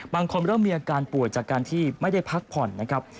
บางคนเริ่มมีอาการป่วยจากการที่ไม่ได้พักผ่อนนะครับ